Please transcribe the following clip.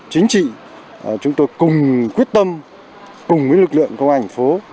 chính trị chúng tôi cùng quyết tâm cùng với lực lượng công ảnh phố